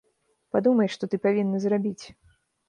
Падумай, што ты павінны зрабіць.